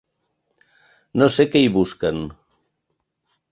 No sé què hi busquen